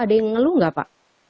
ada yang ngeluh nggak pak